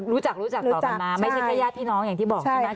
รู้จักรู้จักต่อกันมาไม่ใช่แค่ญาติพี่น้องอย่างที่บอกใช่ไหม